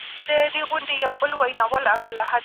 ده به هر چاته ویل ولاړ سی قصاب ته